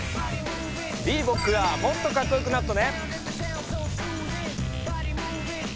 リーボックがもっとかっこよくなったね！